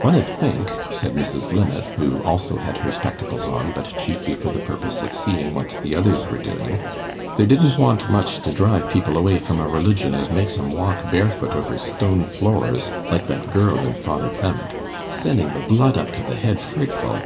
'One 'ud think,' said Mrs. Linnet, who also had her spectacles on, but chiefly for the purpose of seeing what the others were doing, 'there didn't want much to drive people away from a religion as makes 'em walk barefoot over stone floors, like that girl in Father Clement sending the blood up to the head frightful.